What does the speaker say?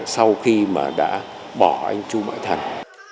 sau khi mà đã bỏ anh chu mợ thành